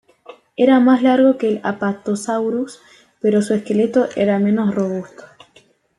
Era más largo que el "Apatosaurus", pero su esqueleto era menos robusto.